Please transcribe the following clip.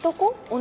女？